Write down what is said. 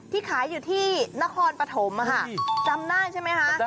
ที่ขายอยู่ที่นครปฐมอะฮะจำน่าใช่ไหมฮะ